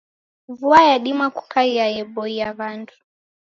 Vua yadima kukaia yeboia wandu.